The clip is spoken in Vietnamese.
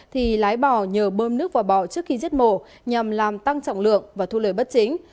thì lái bò nhờ bơm nước vào bò trước khi giết mổ nhằm làm tăng trọng lượng và thu lời bất chính